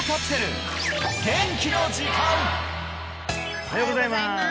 おはようございます